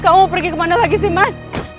kamu pergi kemana lagi sih mas